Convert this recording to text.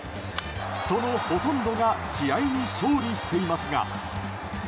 そのほとんどが試合に勝利していますが。